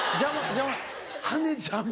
邪魔邪魔？